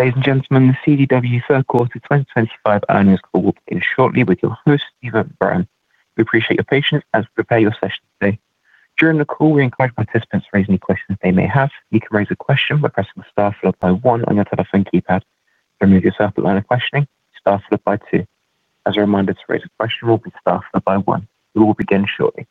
Ladies and gentlemen, the CDW third quarter 2025 earnings call will begin shortly with your host, Steven O'Brien. We appreciate your patience as we prepare your session today. During the call, we encourage participants to raise any questions they may have. You can raise a question by pressing the star followed by one on your telephone keypad. To remove yourself from the line of questioning, star followed by two. As a reminder to raise a question, we'll be star followed by one. We will begin shortly.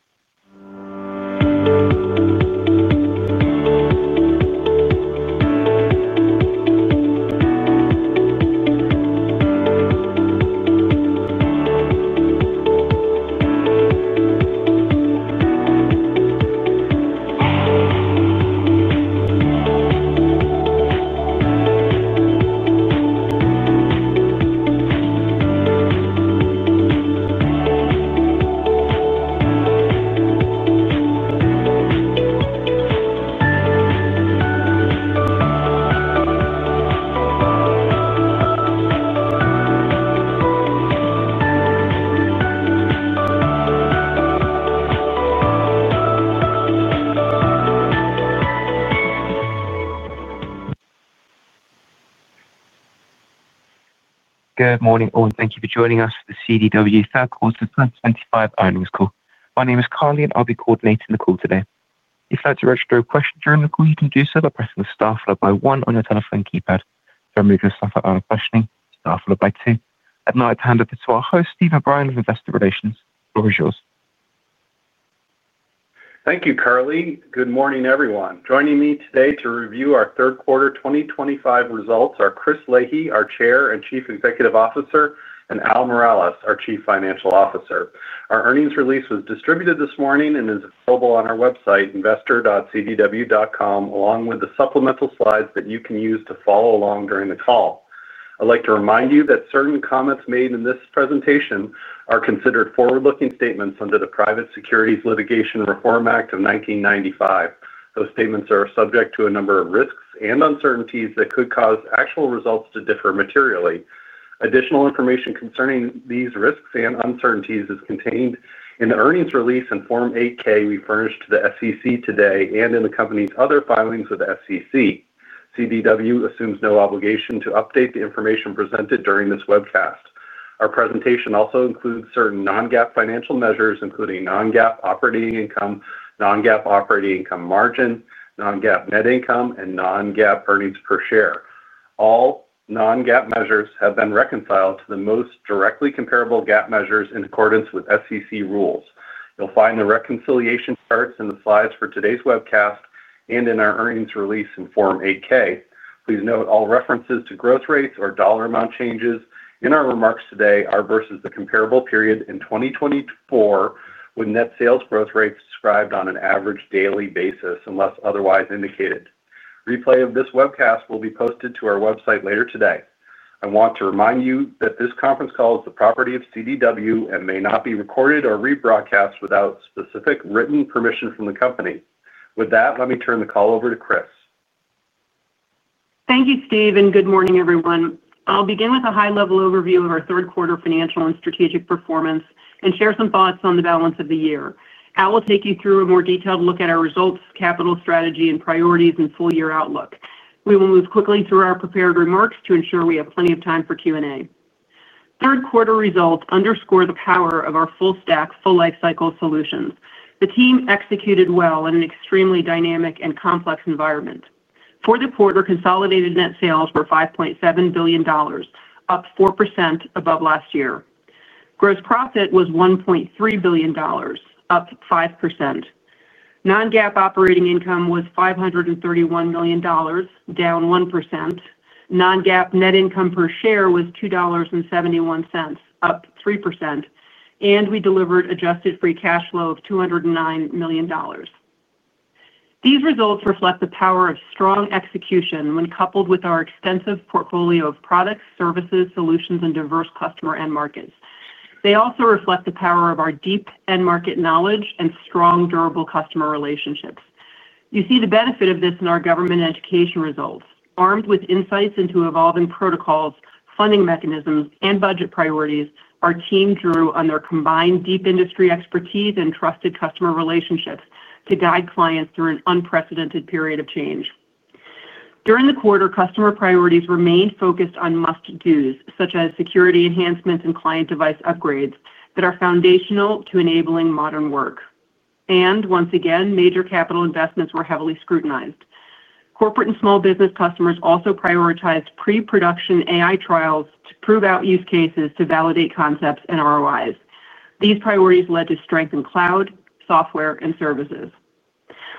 Good morning all, and thank you for joining us for the CDW third quarter 2025 earnings call. My name is Carley, and I'll be coordinating the call today. If you'd like to register a question during the call, you can do so by pressing the star followed by one on your telephone keypad. To remove yourself from the line of questioning, star followed by two. I'd now like to hand over to our host, Steven O'Brien of Investor Relations. The floor is yours. Thank you, Carley. Good morning, everyone. Joining me today to review our third quarter 2025 results are Chris Leahy, our Chair and Chief Executive Officer, and Al Miralles, our Chief Financial Officer. Our earnings release was distributed this morning and is available on our website, investor.cdw.com, along with the supplemental slides that you can use to follow along during the call. I'd like to remind you that certain comments made in this presentation are considered forward-looking statements under the Private Securities Litigation Reform Act of 1995. Those statements are subject to a number of risks and uncertainties that could cause actual results to differ materially. Additional information concerning these risks and uncertainties is contained in the earnings release and Form 8-K we furnished to the SEC today and in the company's other filings with the SEC. CDW assumes no obligation to update the information presented during this webcast. Our presentation also includes certain non-GAAP financial measures, including non-GAAP operating income, non-GAAP operating income margin, non-GAAP net income, and non-GAAP earnings per share. All non-GAAP measures have been reconciled to the most directly comparable GAAP measures in accordance with SEC rules. You'll find the reconciliation charts and the slides for today's webcast and in our earnings release and Form 8-K. Please note all references to growth rates or dollar amount changes in our remarks today are versus the comparable period in 2024 with net sales growth rates described on an average daily basis, unless otherwise indicated. Replay of this webcast will be posted to our website later today. I want to remind you that this conference call is the property of CDW and may not be recorded or rebroadcast without specific written permission from the company. With that, let me turn the call over to Chris. Thank you, Steve, and good morning, everyone. I'll begin with a high-level overview of our third quarter financial and strategic performance and share some thoughts on the balance of the year. Al will take you through a more detailed look at our results, capital strategy, and priorities and full-year outlook. We will move quickly through our prepared remarks to ensure we have plenty of time for Q&A. Third quarter results underscore the power of our full-stack, full-life-cycle solutions. The team executed well in an extremely dynamic and complex environment. Third quarter consolidated net sales were $5.7 billion, up 4% above last year. Gross profit was $1.3 billion, up 5%. non-GAAP operating income was $531 million, down 1%. non-GAAP net income per share was $2.71, up 3%, and we delivered adjusted free cash flow of $209 million. These results reflect the power of strong execution when coupled with our extensive portfolio of products, services, solutions, and diverse customer and markets. They also reflect the power of our deep end-market knowledge and strong, durable customer relationships. You see the benefit of this in our government education results. Armed with insights into evolving protocols, funding mechanisms, and budget priorities, our team drew on their combined deep industry expertise and trusted customer relationships to guide clients through an unprecedented period of change. During the quarter, customer priorities remained focused on must-dos, such as security enhancements and client device upgrades that are foundational to enabling modern work. And once again, major capital investments were heavily scrutinized. Corporate and small business customers also prioritized pre-production AI trials to prove out use cases to validate concepts and ROIs. These priorities led to strength in cloud, software, and services.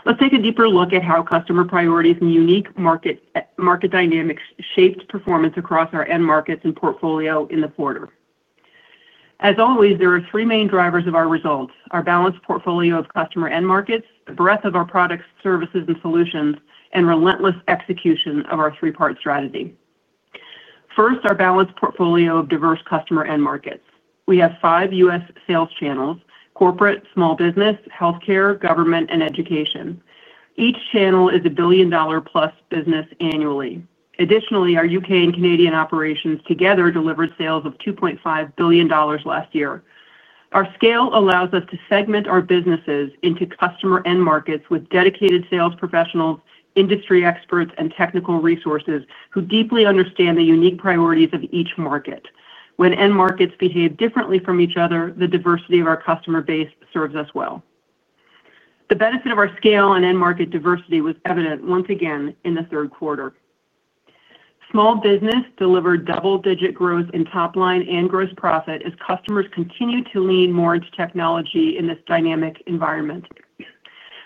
Let's take a deeper look at how customer priorities and unique market dynamics shaped performance across our end markets and portfolio in the quarter. As always, there are three main drivers of our results: our balanced portfolio of customer end markets, the breadth of our products, services, and solutions, and relentless execution of our three-part strategy. First, our balanced portfolio of diverse customer end markets. We have five U.S. sales channels: corporate, small business, healthcare, government, and education. Each channel is a billion-dollar-plus business annually. Additionally, our U.K. and Canadian operations together delivered sales of $2.5 billion last year. Our scale allows us to segment our businesses into customer end markets with dedicated sales professionals, industry experts, and technical resources who deeply understand the unique priorities of each market. When end markets behave differently from each other, the diversity of our customer base serves us well. The benefit of our scale and end market diversity was evident once again in the third quarter. Small Business delivered double-digit growth in top line and gross profit as customers continued to lean more into technology in this dynamic environment.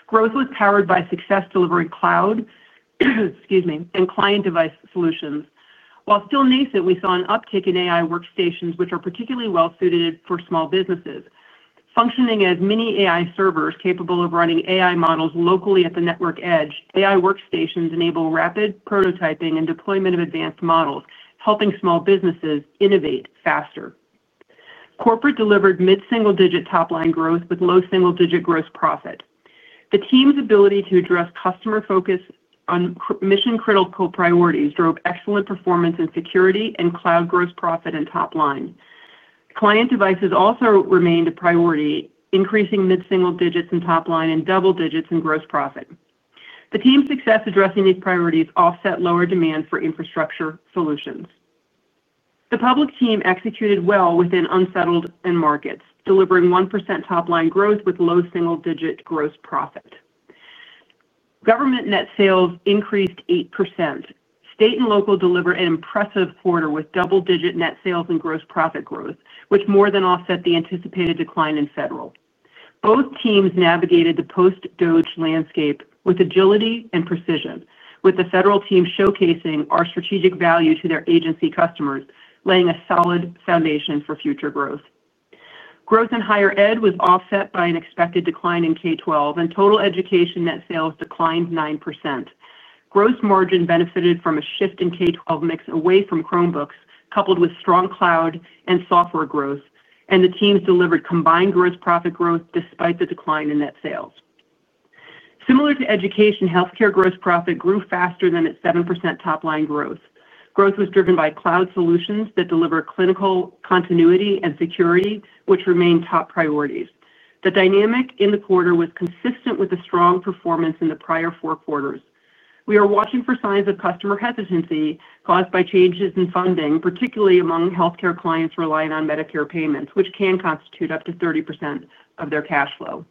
Growth was powered by success delivering cloud, excuse me, and client device solutions. While still nascent, we saw an uptick in AI workstations, which are particularly well-suited for small businesses. Functioning as mini AI servers capable of running AI models locally at the network edge, AI workstations enable rapid prototyping and deployment of advanced models, helping small businesses innovate faster. Corporate delivered mid-single-digit top line growth with low single-digit gross profit. The team's ability to address customers focused on mission-critical priorities drove excellent performance in security and cloud gross profit and top line. Client devices also remained a priority, increasing mid-single digits in top line and double digits in gross profit. The team's success addressing these priorities offset lower demand for infrastructure solutions. The public team executed well within unsettled end markets, delivering 1% top line growth with low single-digit gross profit. Government net sales increased 8%. State and local delivered an impressive quarter with double-digit net sales and gross profit growth, which more than offset the anticipated decline in federal. Both teams navigated the Post-DOGE landscape with agility and precision, with the federal team showcasing our strategic value to their agency customers, laying a solid foundation for future growth. Growth in higher ed was offset by an expected decline in K-12, and total education net sales declined 9%. Gross margin benefited from a shift in K-12 mix away from Chromebooks, coupled with strong cloud and software growth, and the teams delivered combined gross profit growth despite the decline in net sales. Similar to education, healthcare gross profit grew faster than its 7% top line growth. Growth was driven by cloud solutions that deliver clinical continuity and security, which remain top priorities. The dynamic in the quarter was consistent with the strong performance in the prior four quarters. We are watching for signs of customer hesitancy caused by changes in funding, particularly among healthcare clients relying on Medicare payments, which can constitute up to 30% of their cash flow.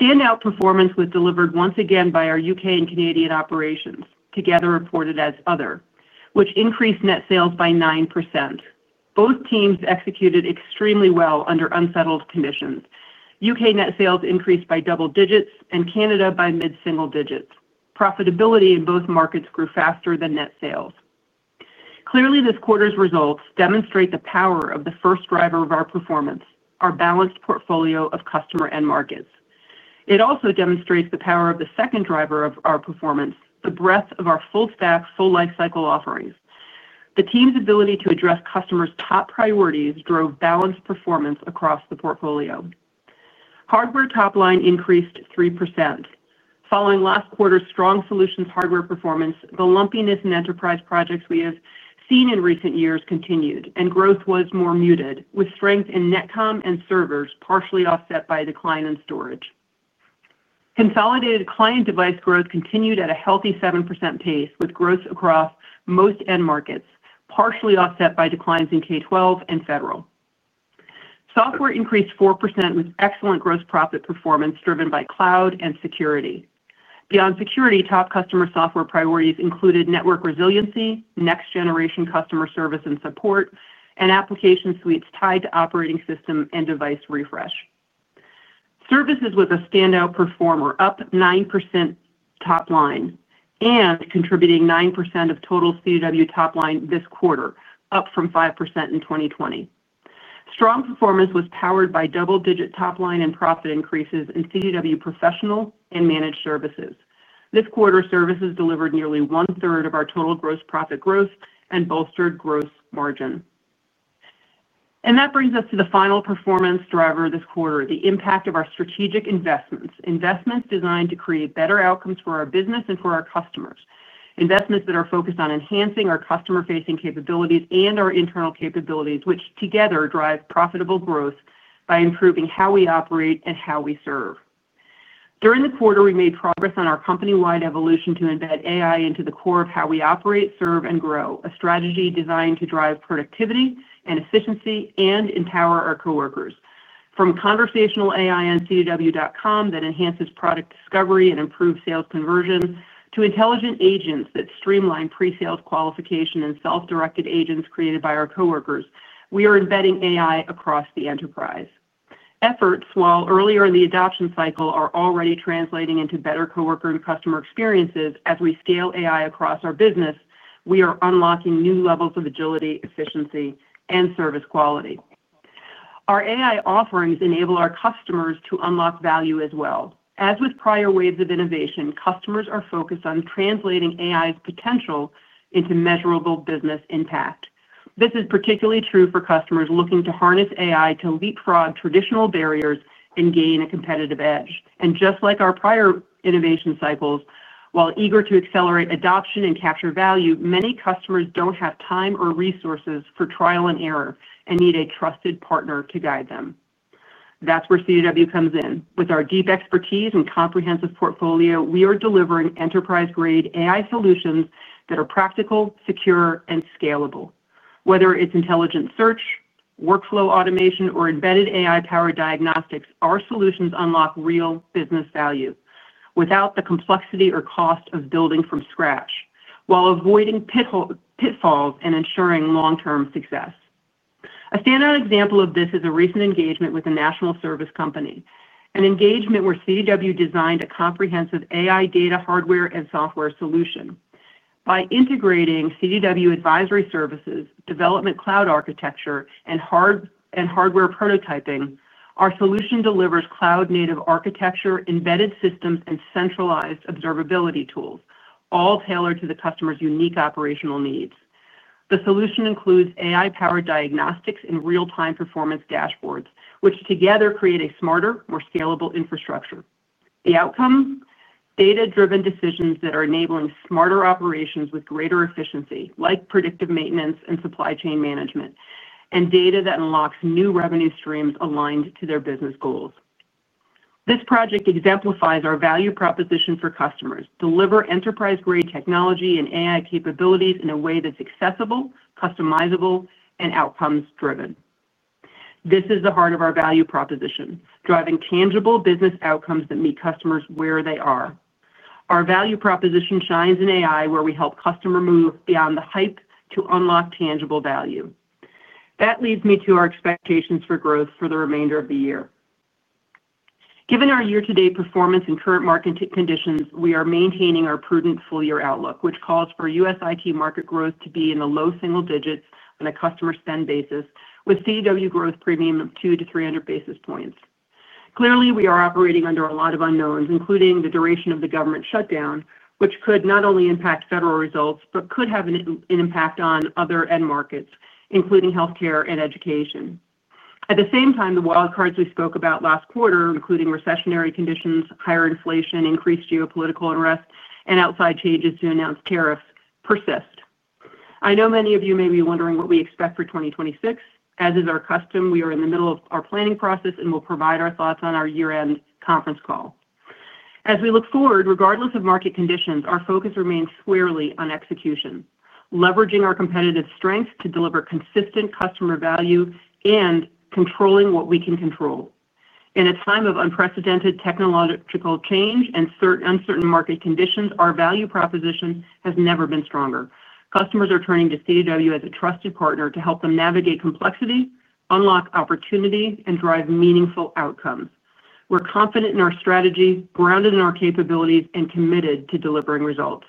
Standout performance was delivered once again by our U.K. and Canadian operations, together reported as other, which increased net sales by 9%. Both teams executed extremely well under unsettled conditions. U.K. net sales increased by double digits, and Canada by mid-single digits. Profitability in both markets grew faster than net sales. Clearly, this quarter's results demonstrate the power of the first driver of our performance, our balanced portfolio of customer end markets. It also demonstrates the power of the second driver of our performance, the breadth of our full-stack, full-life-cycle offerings. The team's ability to address customers' top priorities drove balanced performance across the portfolio. Hardware top line increased 3%. Following last quarter's strong solutions hardware performance, the lumpiness in enterprise projects we have seen in recent years continued, and growth was more muted, with strength in Netcom and servers partially offset by a decline in storage. Consolidated client device growth continued at a healthy 7% pace, with growth across most end markets partially offset by declines in K-12 and federal. Software increased 4% with excellent gross profit performance driven by cloud and security. Beyond security, top customer software priorities included network resiliency, next-generation customer service and support, and application suites tied to operating system and device refresh. Services was a standout performer, up 9% top line and contributing 9% of total CDW top line this quarter, up from 5% in 2020. Strong performance was powered by double-digit top line and profit increases in CDW professional and managed services. This quarter, services delivered nearly one-third of our total gross profit growth and bolstered gross margin. And that brings us to the final performance driver of this quarter, the impact of our strategic investments, investments designed to create better outcomes for our business and for our customers, investments that are focused on enhancing our customer-facing capabilities and our internal capabilities, which together drive profitable growth by improving how we operate and how we serve. During the quarter, we made progress on our company-wide evolution to embed AI into the core of how we operate, serve, and grow, a strategy designed to drive productivity and efficiency and empower our coworkers. From conversational AI on cdw.com that enhances product discovery and improves sales conversion to intelligent agents that streamline pre-sales qualification and self-directed agents created by our coworkers, we are embedding AI across the enterprise. Efforts, while earlier in the adoption cycle, are already translating into better coworker and customer experiences. As we scale AI across our business, we are unlocking new levels of agility, efficiency, and service quality. Our AI offerings enable our customers to unlock value as well. As with prior waves of innovation, customers are focused on translating AI's potential into measurable business impact. This is particularly true for customers looking to harness AI to leapfrog traditional barriers and gain a competitive edge. And just like our prior innovation cycles, while eager to accelerate adoption and capture value, many customers don't have time or resources for trial and error and need a trusted partner to guide them. That's where CDW comes in. With our deep expertise and comprehensive portfolio, we are delivering enterprise-grade AI solutions that are practical, secure, and scalable. Whether it's intelligent search, workflow automation, or embedded AI-powered diagnostics, our solutions unlock real business value without the complexity or cost of building from scratch, while avoiding pitfalls and ensuring long-term success. A standout example of this is a recent engagement with a national service company, an engagement where CDW designed a comprehensive AI data hardware and software solution. By integrating CDW advisory services, development cloud architecture, and hardware prototyping, our solution delivers cloud-native architecture, embedded systems, and centralized observability tools, all tailored to the customer's unique operational needs. The solution includes AI-powered diagnostics and real-time performance dashboards, which together create a smarter, more scalable infrastructure. The outcome? Data-driven decisions that are enabling smarter operations with greater efficiency, like predictive maintenance and supply chain management, and data that unlocks new revenue streams aligned to their business goals. This project exemplifies our value proposition for customers: deliver enterprise-grade technology and AI capabilities in a way that's accessible, customizable, and outcomes-driven. This is the heart of our value proposition, driving tangible business outcomes that meet customers where they are. Our value proposition shines in AI, where we help customers move beyond the hype to unlock tangible value. That leads me to our expectations for growth for the remainder of the year. Given our year-to-date performance and current market conditions, we are maintaining our prudent full-year outlook, which calls for U.S. IT market growth to be in the low single digits on a customer spend basis, with CDW growth premium of two to 300 basis points. Clearly, we are operating under a lot of unknowns, including the duration of the government shutdown, which could not only impact federal results but could have an impact on other end markets, including healthcare and education. At the same time, the wild cards we spoke about last quarter, including recessionary conditions, higher inflation, increased geopolitical unrest, and outside changes to announced tariffs, persist. I know many of you may be wondering what we expect for 2026. As is our custom, we are in the middle of our planning process and will provide our thoughts on our year-end conference call. As we look forward, regardless of market conditions, our focus remains squarely on execution, leveraging our competitive strength to deliver consistent customer value and controlling what we can control. In a time of unprecedented technological change and uncertain market conditions, our value proposition has never been stronger. Customers are turning to CDW as a trusted partner to help them navigate complexity, unlock opportunity, and drive meaningful outcomes. We're confident in our strategy, grounded in our capabilities, and committed to delivering results.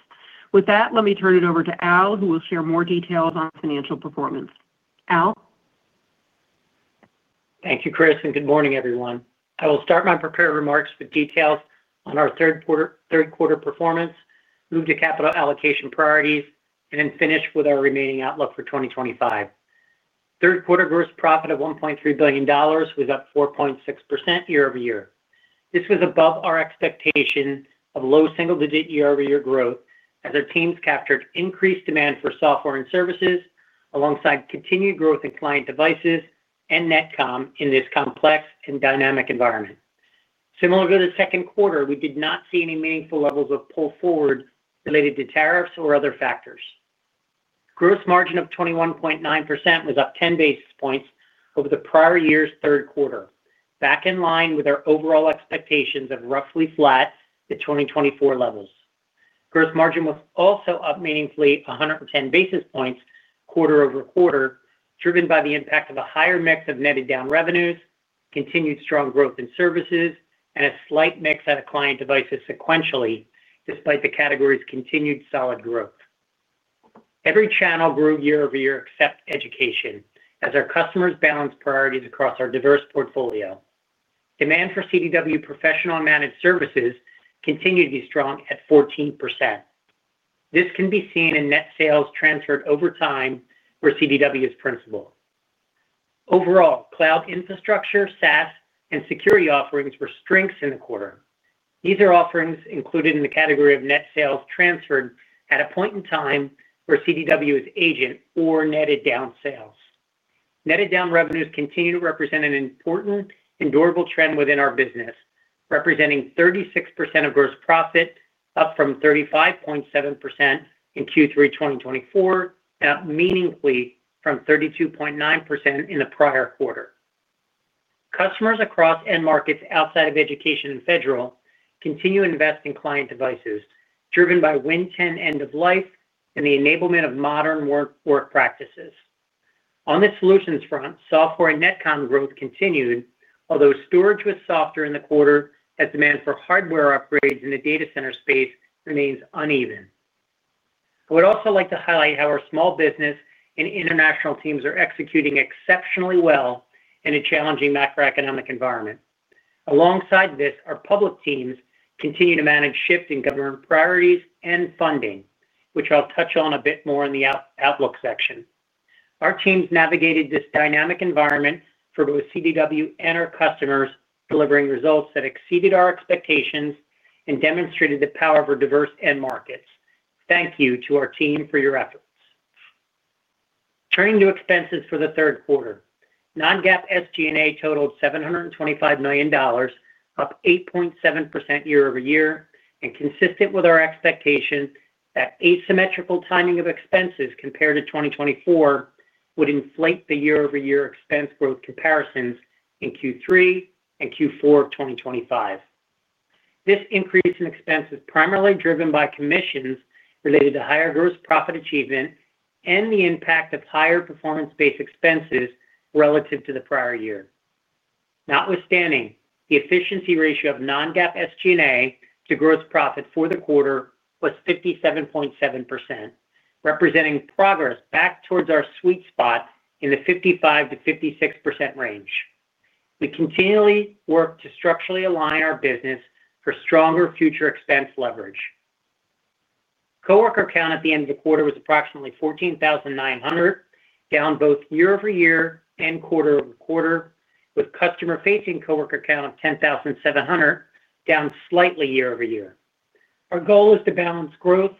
With that, let me turn it over to Al, who will share more details on financial performance. Al? Thank you, Chris, and good morning, everyone. I will start my prepared remarks with details on our third-quarter performance, move to capital allocation priorities, and then finish with our remaining outlook for 2025. Third-quarter gross profit of $1.3 billion was up 4.6% year-over-year. This was above our expectation of low single-digit year-over-year growth, as our teams captured increased demand for software and services alongside continued growth in client devices and Netcom in this complex and dynamic environment. Similarly, the second quarter, we did not see any meaningful levels of pull forward related to tariffs or other factors. Gross margin of 21.9% was up 10 basis points over the prior year's third quarter, back in line with our overall expectations of roughly flat to 2024 levels. Gross margin was also up meaningfully 110 basis points quarter over quarter, driven by the impact of a higher mix of netted down revenues, continued strong growth in services, and a slight mix out of client devices sequentially, despite the category's continued solid growth. Every channel grew year-over-year except education, as our customers balanced priorities across our diverse portfolio. Demand for CDW professional and managed services continued to be strong at 14%. This can be seen in net sales transferred over time, where CDW is principal. Overall, cloud infrastructure, SaaS, and security offerings were strengths in the quarter. These are offerings included in the category of net sales transferred at a point in time where CDW is agent or netted down sales. Netted down revenues continue to represent an important and durable trend within our business, representing 36% of gross profit, up from 35.7% in Q3 2024, up meaningfully from 32.9% in the prior quarter. Customers across end markets outside of education and federal continue to invest in client devices, driven by Win10 end-of-life and the enablement of modern work practices. On the solutions front, software and Netcom growth continued, although storage was softer in the quarter, as demand for hardware upgrades in the data center space remains uneven. I would also like to highlight how our small business and international teams are executing exceptionally well in a challenging macroeconomic environment. Alongside this, our public teams continue to manage shift in government priorities and funding, which I'll touch on a bit more in the outlook section. Our teams navigated this dynamic environment for both CDW and our customers, delivering results that exceeded our expectations and demonstrated the power of our diverse end markets. Thank you to our team for your efforts. Turning to expenses for the third quarter, non-GAAP SG&A totaled $725 million, up 8.7% year-over-year, and consistent with our expectation that asymmetrical timing of expenses compared to 2024 would inflate the year-over-year expense growth comparisons in Q3 and Q4 2025. This increase in expenses is primarily driven by commissions related to higher gross profit achievement and the impact of higher performance-based expenses relative to the prior year. Notwithstanding, the efficiency ratio of non-GAAP SG&A to gross profit for the quarter was 57.7%. Representing progress back towards our sweet spot in the 55%-56% range. We continually work to structurally align our business for stronger future expense leverage. Coworker count at the end of the quarter was approximately 14,900, down both year-over-year and quarter-over-quarter, with customer-facing coworker count of 10,700, down slightly year-over-year. Our goal is to balance growth,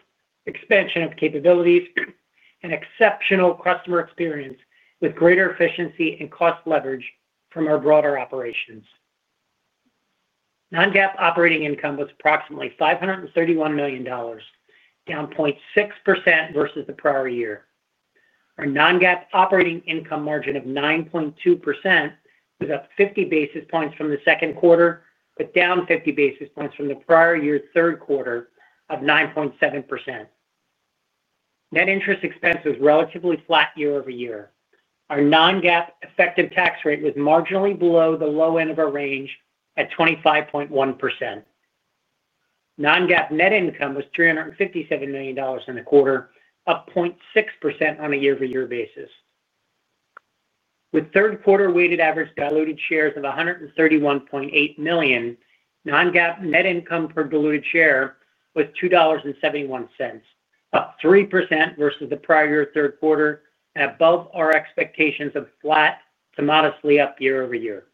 expansion of capabilities, and exceptional customer experience with greater efficiency and cost leverage from our broader operations. non-GAAP operating income was approximately $531 million, down 0.6% versus the prior year. Our non-GAAP operating income margin of 9.2% was up 50 basis points from the second quarter, but down 50 basis points from the prior year's third quarter of 9.7%. Net interest expense was relatively flat year-over-year. Our non-GAAP effective tax rate was marginally below the low end of our range at 25.1%. non-GAAP net income was $357 million in the quarter, up 0.6% on a year-over-year basis. With third-quarter weighted average diluted shares of 131.8 million, non-GAAP net income per diluted share was $2.71, up 3% versus the prior year third quarter, and above our expectations of flat to modestly up year-over-year.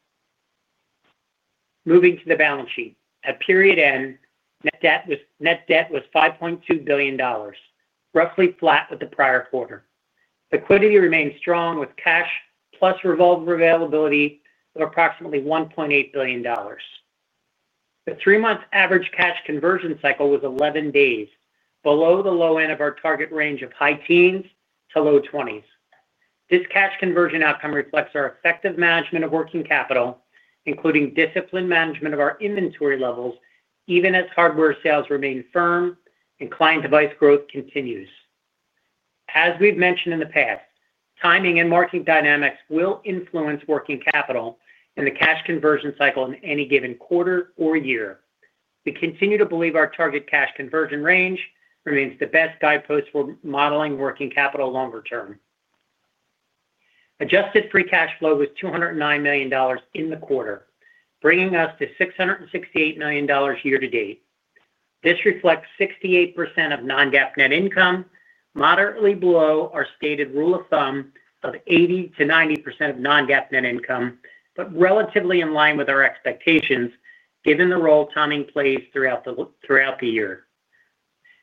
Moving to the balance sheet, at period end, net debt was $5.2 billion, roughly flat with the prior quarter. Liquidity remained strong with cash plus revolving availability of approximately $1.8 billion. The three-month average cash conversion cycle was 11 days, below the low end of our target range of high teens to low twenties. This cash conversion outcome reflects our effective management of working capital, including disciplined management of our inventory levels, even as hardware sales remain firm and client device growth continues. As we've mentioned in the past, timing and market dynamics will influence working capital and the cash conversion cycle in any given quarter or year. We continue to believe our target cash conversion range remains the best guidepost for modeling working capital longer term. Adjusted free cash flow was $209 million in the quarter, bringing us to $668 million year-to-date. This reflects 68% of non-GAAP net income, moderately below our stated rule of thumb of 80%-90% of non-GAAP net income, but relatively in line with our expectations given the role timing plays throughout the year.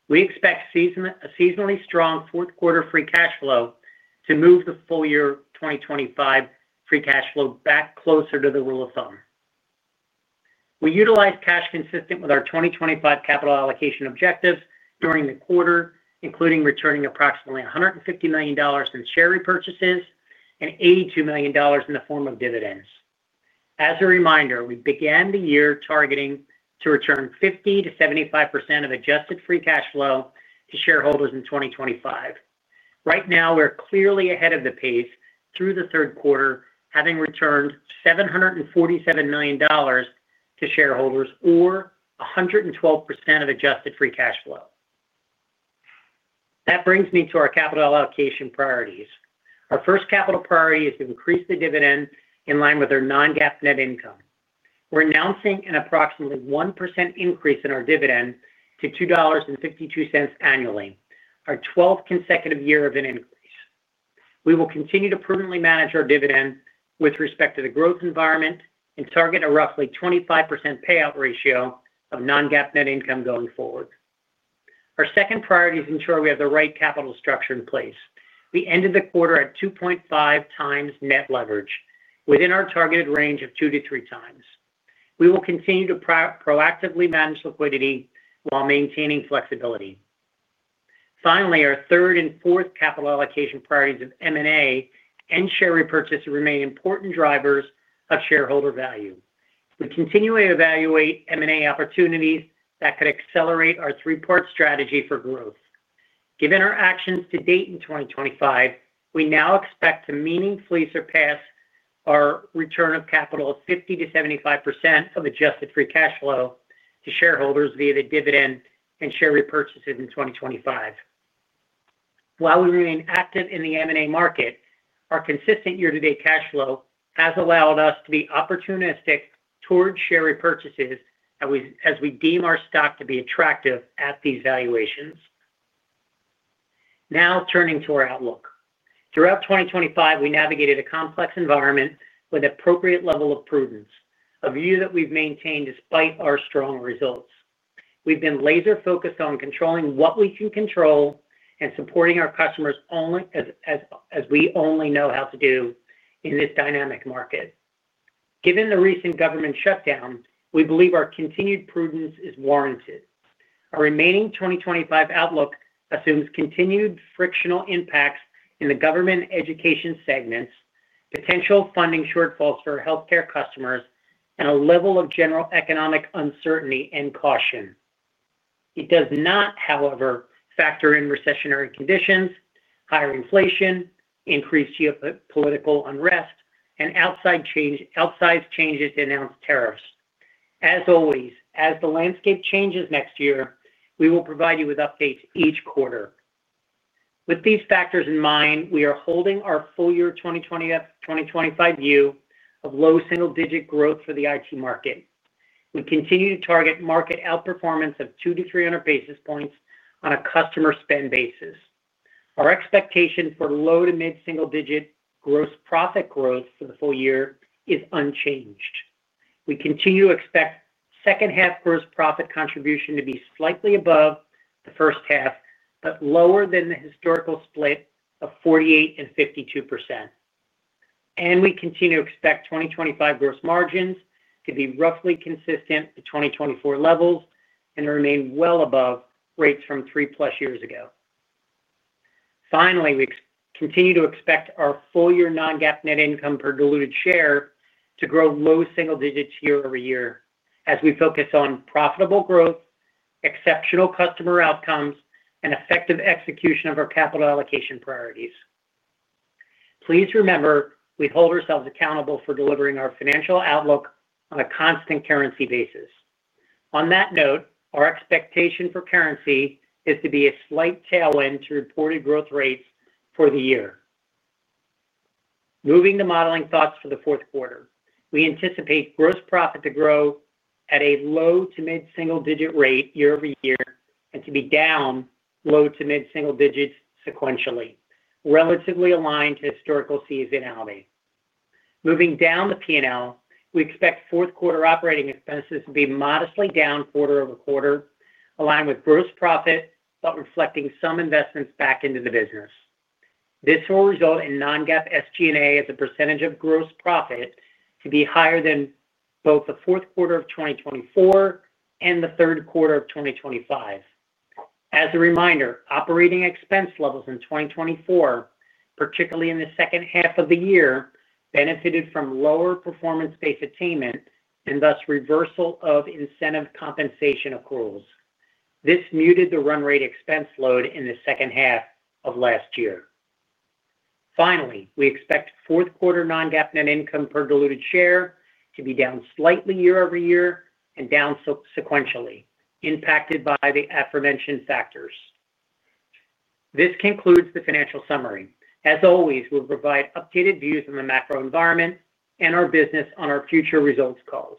We expect a seasonally strong fourth-quarter free cash flow to move the full-year 2025 free cash flow back closer to the rule of thumb. We utilize cash consistent with our 2025 capital allocation objectives during the quarter, including returning approximately $150 million in share repurchases and $82 million in the form of dividends. As a reminder, we began the year targeting to return 50%-75% of adjusted free cash flow to shareholders in 2025. Right now, we're clearly ahead of the pace through the third quarter, having returned $747 million to shareholders or 112% of adjusted free cash flow. That brings me to our capital allocation priorities. Our first capital priority is to increase the dividend in line with our non-GAAP net income. We're announcing an approximately 1% increase in our dividend to $2.52 annually, our 12th consecutive year of an increase. We will continue to prudently manage our dividend with respect to the growth environment and target a roughly 25% payout ratio of non-GAAP net income going forward. Our second priority is to ensure we have the right capital structure in place. We ended the quarter at 2.5x net leverage, within our targeted range of two to three times. We will continue to proactively manage liquidity while maintaining flexibility. Finally, our third and fourth capital allocation priorities of M&A and share repurchase remain important drivers of shareholder value. We continue to evaluate M&A opportunities that could accelerate our three-part strategy for growth. Given our actions to date in 2025, we now expect to meaningfully surpass our return of capital of 50%-75% of adjusted free cash flow to shareholders via the dividend and share repurchases in 2025. While we remain active in the M&A market, our consistent year-to-date cash flow has allowed us to be opportunistic toward share repurchases as we deem our stock to be attractive at these valuations. Now, turning to our outlook. Throughout 2025, we navigated a complex environment with an appropriate level of prudence, a view that we've maintained despite our strong results. We've been laser-focused on controlling what we can control and supporting our customers only as we only know how to do in this dynamic market. Given the recent government shutdown, we believe our continued prudence is warranted. Our remaining 2025 outlook assumes continued frictional impacts in the government education segments, potential funding shortfalls for healthcare customers, and a level of general economic uncertainty and caution. It does not, however, factor in recessionary conditions, higher inflation, increased geopolitical unrest, and outsized changes to announced tariffs. As always, as the landscape changes next year, we will provide you with updates each quarter. With these factors in mind, we are holding our full-year 2025 view of low single-digit growth for the IT market. We continue to target market outperformance of 200-300 basis points on a customer spend basis. Our expectation for low to mid-single-digit gross profit growth for the full year is unchanged. We continue to expect second-half gross profit contribution to be slightly above the first half, but lower than the historical split of 48% and 52%. And we continue to expect 2025 gross margins to be roughly consistent with 2024 levels and remain well above rates from three-plus years ago. Finally, we continue to expect our full-year non-GAAP net income per diluted share to grow low single digits year-over-year, as we focus on profitable growth, exceptional customer outcomes, and effective execution of our capital allocation priorities. Please remember, we hold ourselves accountable for delivering our financial outlook on a constant currency basis. On that note, our expectation for currency is to be a slight tailwind to reported growth rates for the year. Moving to modeling thoughts for the fourth quarter, we anticipate gross profit to grow at a low to mid-single-digit rate year-over-year and to be down low to mid-single digits sequentially, relatively aligned to historical seasonality. Moving down the P&L, we expect fourth-quarter operating expenses to be modestly down quarter-over-quarter, aligned with gross profit, but reflecting some investments back into the business. This will result in non-GAAP SG&A as a percentage of gross profit to be higher than both the fourth quarter of 2024 and the third quarter of 2025. As a reminder, operating expense levels in 2024, particularly in the second half of the year, benefited from lower performance-based attainment and thus reversal of incentive compensation accruals. This muted the run rate expense load in the second half of last year. Finally, we expect fourth-quarter non-GAAP net income per diluted share to be down slightly year-over-year and down sequentially, impacted by the aforementioned factors. This concludes the financial summary. As always, we'll provide updated views on the macro environment and our business on our future results calls.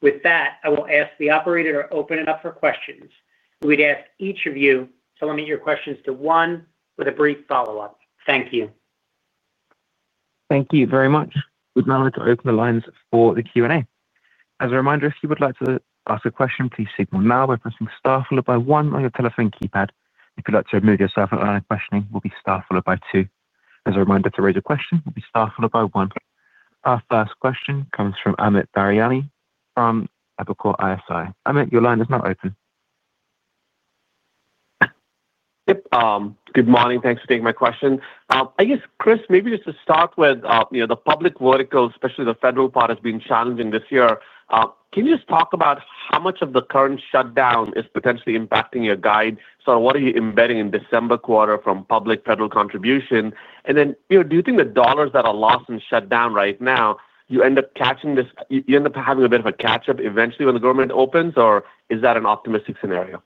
With that, I will ask the operator to open it up for questions. We'd ask each of you to limit your questions to one with a brief follow-up. Thank you. Thank you very much. We'd now like to open the lines for the Q&A. As a reminder, if you would like to ask a question, please signal now by pressing star followed by one on your telephone keypad. If you'd like to remove yourself and ask a question, we'll be star followed by two. As a reminder, to raise a question, we'll be star followed by one. Our first question comes from Amit Daryanani from Evercore ISI. Amit, your line is now open. Yep. Good morning. Thanks for taking my question. I guess, Chris, maybe just to start with, the public vertical, especially the federal part, has been challenging this year. Can you just talk about how much of the current shutdown is potentially impacting your guide? So what are you embedding in December quarter from public federal contribution? And then do you think the dollars that are lost in shutdown right now, you end up catching this? You end up having a bit of a catch-up eventually when the government opens, or is that an optimistic scenario?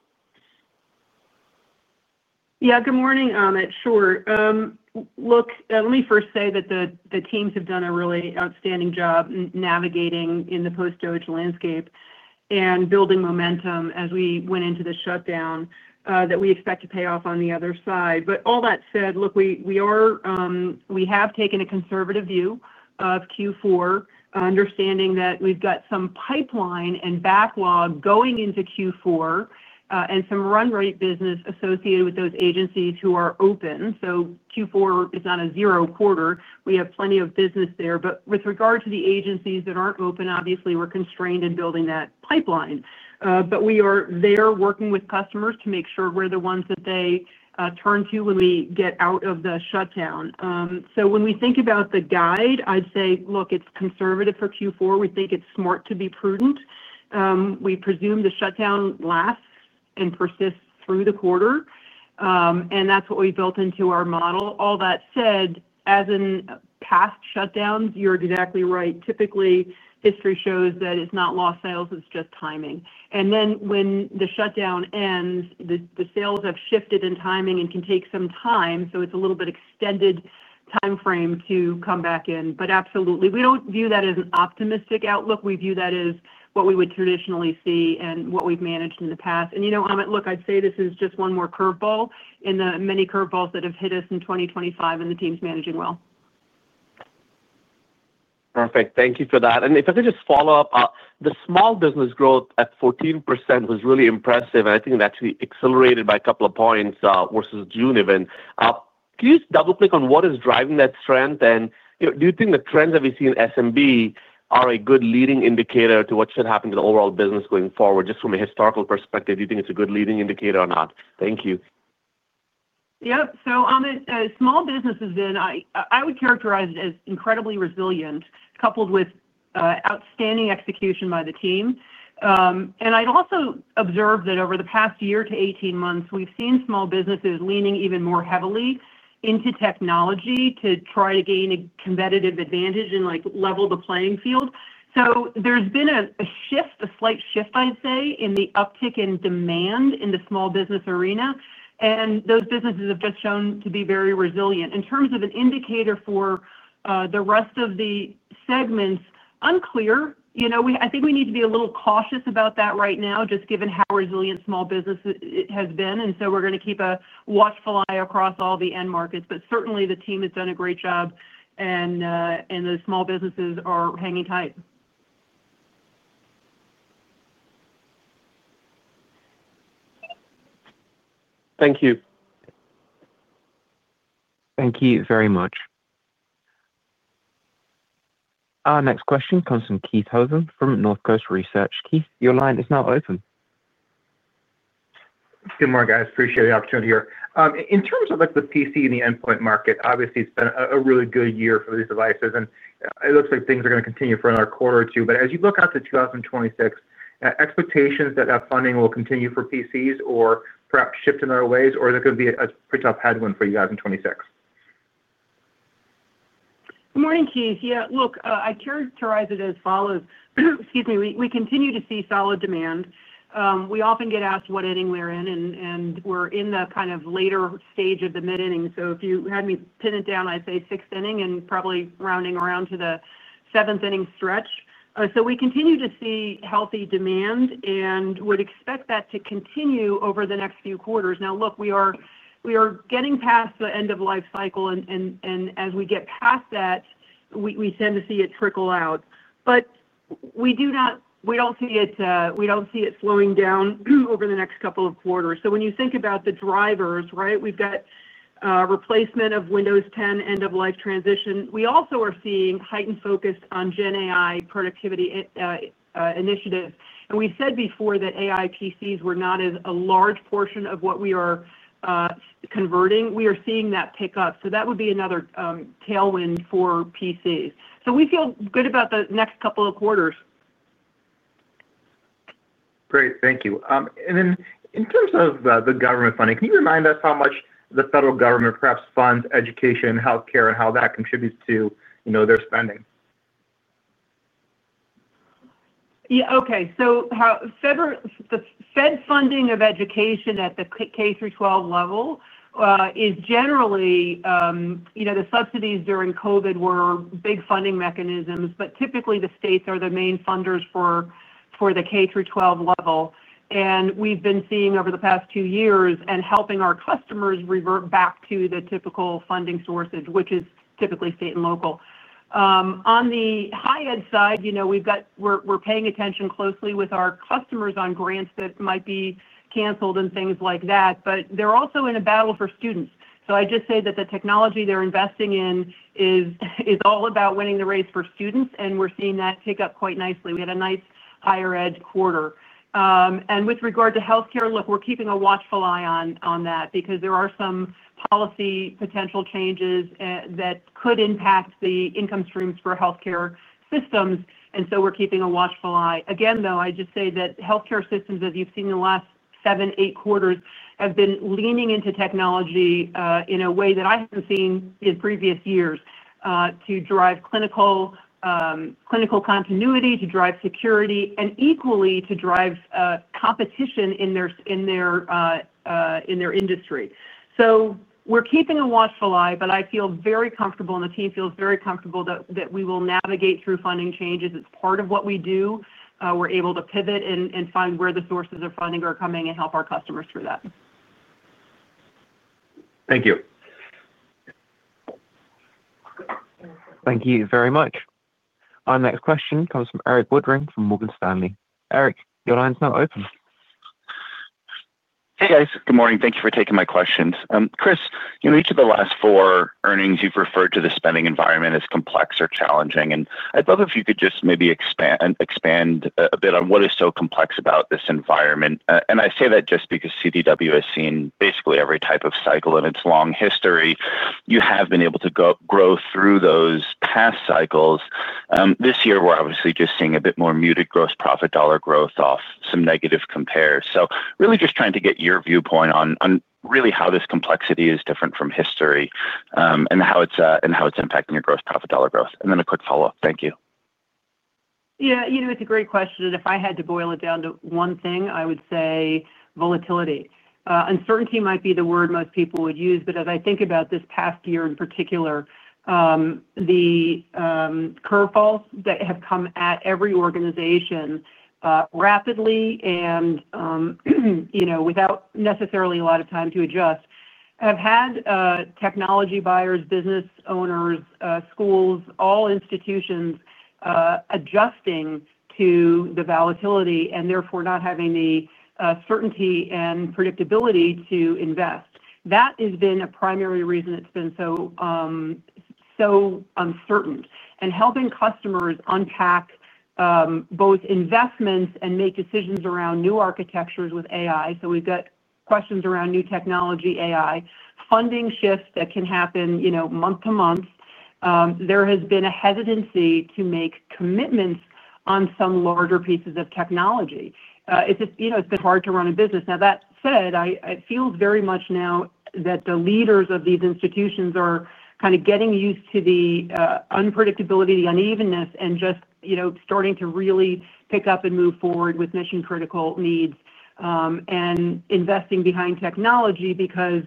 Yeah. Good morning, Amit. Sure. Look, let me first say that the teams have done a really outstanding job navigating in the Post-DOGE landscape and building momentum as we went into the shutdown that we expect to pay off on the other side. But all that said, look, we have taken a conservative view of Q4, understanding that we've got some pipeline and backlog going into Q4. And some run rate business associated with those agencies who are open. So Q4 is not a zero quarter. We have plenty of business there. But with regard to the agencies that aren't open, obviously, we're constrained in building that pipeline. But we are there working with customers to make sure we're the ones that they turn to when we get out of the shutdown. So when we think about the guide, I'd say, look, it's conservative for Q4. We think it's smart to be prudent. We presume the shutdown lasts and persists through the quarter. And that's what we built into our model. All that said, as in past shutdowns, you're exactly right. Typically, history shows that it's not lost sales. It's just timing. And then when the shutdown ends, the sales have shifted in timing and can take some time. So it's a little bit extended timeframe to come back in. But absolutely, we don't view that as an optimistic outlook. We view that as what we would traditionally see and what we've managed in the past. And Amit, look, I'd say this is just one more curveball in the many curveballs that have hit us in 2025 and the teams managing well. Perfect. Thank you for that. And if I could just follow-up, the small business growth at 14% was really impressive. And I think that actually accelerated by a couple of points versus June even. Can you just double-click on what is driving that strength? And do you think the trends that we see in SMB are a good leading indicator to what should happen to the overall business going forward? Just from a historical perspective, do you think it's a good leading indicator or not? Thank you. Yep. So Amit, small businesses then, I would characterize it as incredibly resilient, coupled with outstanding execution by the team. And I'd also observed that over the past year to 18 months, we've seen small businesses leaning even more heavily into technology to try to gain a competitive advantage and level the playing field. So there's been a shift, a slight shift, I'd say, in the uptick in demand in the small business arena. And those businesses have just shown to be very resilient. In terms of an indicator for the rest of the segments, unclear. I think we need to be a little cautious about that right now, just given how resilient small business has been. And so we're going to keep a watchful eye across all the end markets. But certainly, the team has done a great job, and the small businesses are hanging tight. Thank you. Thank you very much. Our next question comes from Keith Housum from Northcoast Research. Keith, your line is now open. Good morning, guys. Appreciate the opportunity here. In terms of the PC and the endpoint market, obviously, it's been a really good year for these devices. And it looks like things are going to continue for another quarter or two. But as you look out to 2026, expectations that that funding will continue for PCs or perhaps shift in other ways, or is it going to be a pretty tough headwind for you guys in 2026? Good morning, Keith. Yeah. Look, I characterize it as follows. Excuse me. We continue to see solid demand. We often get asked what inning we're in, and we're in the kind of later stage of the mid-inning. So if you had me pin it down, I'd say sixth inning and probably rounding around to the seventh inning stretch. So we continue to see healthy demand and would expect that to continue over the next few quarters. Now, look, we are getting past the end of life cycle. And as we get past that. We tend to see it trickle out. But we don't see it. Slowing down over the next couple of quarters. So when you think about the drivers, right, we've got replacement of Windows 10 end-of-life transition. We also are seeing heightened focus on GenAI productivity initiatives. And we said before that AI PCs were not a large portion of what we are converting. We are seeing that pick up. So that would be another tailwind for PCs. So we feel good about the next couple of quarters. Great. Thank you. And then in terms of the government funding, can you remind us how much the federal government perhaps funds education and healthcare and how that contributes to their spending? Yeah. Okay. So the Fed funding of education at the K-12 level is generally the subsidies during COVID were big funding mechanisms, but typically, the states are the main funders for the K-12 level. And we've been seeing over the past two years and helping our customers revert back to the typical funding sources, which is typically state and local. On the high-end side, we're paying attention closely with our customers on grants that might be canceled and things like that. But they're also in a battle for students. So I just say that the technology they're investing in is all about winning the race for students, and we're seeing that pick up quite nicely. We had a nice higher-ed quarter. And with regard to healthcare, look, we're keeping a watchful eye on that because there are some policy potential changes that could impact the income streams for healthcare systems. And so we're keeping a watchful eye. Again, though, I just say that healthcare systems, as you've seen in the last seven, eight quarters, have been leaning into technology in a way that I haven't seen in previous years to drive clinical continuity, to drive security, and equally to drive competition in their industry. So we're keeping a watchful eye, but I feel very comfortable, and the team feels very comfortable that we will navigate through funding changes. It's part of what we do. We're able to pivot and find where the sources of funding are coming and help our customers through that. Thank you. Thank you very much. Our next question comes from Erik Woodring from Morgan Stanley. Erik, your line's now open. Hey, guys. Good morning. Thank you for taking my questions. Chris, each of the last four earnings, you've referred to the spending environment as complex or challenging. And I'd love if you could just maybe expand a bit on what is so complex about this environment. And I say that just because CDW has seen basically every type of cycle in its long history. You have been able to grow through those past cycles. This year, we're obviously just seeing a bit more muted gross profit dollar growth off some negative compares. So really just trying to get your viewpoint on really how this complexity is different from history and how it's impacting your gross profit dollar growth. And then a quick follow-up. Thank you. Yeah. It's a great question. If I had to boil it down to one thing, I would say. Volatility. Uncertainty might be the word most people would use. But as I think about this past year in particular. The curveballs that have come at every organization. Rapidly and. Without necessarily a lot of time to adjust, have had technology buyers, business owners, schools, all institutions adjusting to the volatility and therefore not having the certainty and predictability to invest. That has been a primary reason it's been so uncertain. And helping customers unpack both investments and make decisions around new architectures with AI. So we've got questions around new technology, AI, funding shifts that can happen month to month. There has been a hesitancy to make commitments on some larger pieces of technology. It's been hard to run a business. Now, that said, it feels very much now that the leaders of these institutions are kind of getting used to the unpredictability, the unevenness, and just starting to really pick up and move forward with mission-critical needs and investing behind technology because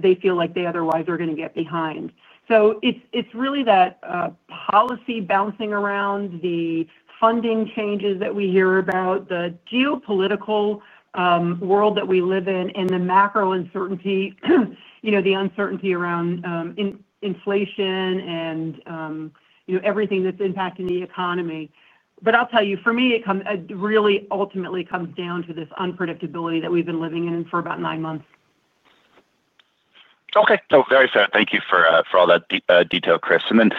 they feel like they otherwise are going to get behind. So it's really that. Policy bouncing around, the funding changes that we hear about, the geopolitical world that we live in, and the macro uncertainty, the uncertainty around inflation and everything that's impacting the economy. But I'll tell you, for me, it really ultimately comes down to this unpredictability that we've been living in for about nine months. Okay. No, very fair. Thank you for all that detail, Chris. And then